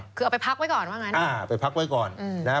คือเอาไปพักไว้ก่อนว่างั้นอ่าไปพักไว้ก่อนนะฮะ